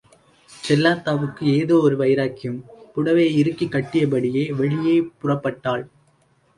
செல்லாத்தாவுக்கு ஏதோ ஒரு வைராக்கியம், புடவையை இறுக்கிக்கட்டியபடியே வெளியே புறப்பட்டாள்.